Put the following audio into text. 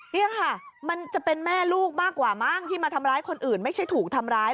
นี่ค่ะมันจะเป็นแม่ลูกมากกว่ามั้งที่มาทำร้ายคนอื่นไม่ใช่ถูกทำร้าย